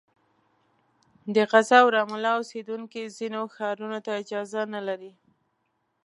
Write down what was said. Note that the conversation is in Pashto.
د غزه او رام الله اوسېدونکي ځینو ښارونو ته اجازه نه لري.